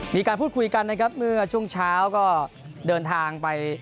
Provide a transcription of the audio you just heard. มีการพูดคุยกันนะครับเมื่อช่วงเช้าก็เดินทางไป